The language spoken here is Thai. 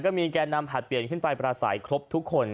ก็มีแก่นำหัดเปลี่ยนขึ้นไปประส่ายครบทุกคน